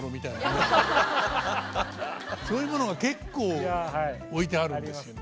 そういうものが結構置いてあるんですよね。